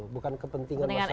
bukan kepentingan masyarakat